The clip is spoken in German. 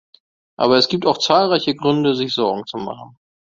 Aber es gibt auch zahlreiche Gründe, sich Sorgen zu machen.